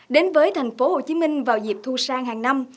đến với thành phố hồ chí minh vào dịp thu sang hàng năm